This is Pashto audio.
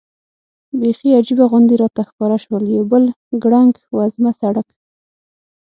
بېخي عجیبه غوندې راته ښکاره شول، یو بل ګړنګ وزمه سړک.